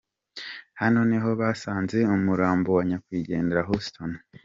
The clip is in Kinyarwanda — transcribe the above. Hano niho basanze umurambo wa nyakwigendera Houston.